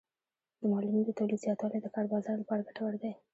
د مالونو د تولید زیاتوالی د کار بازار لپاره ګټور دی.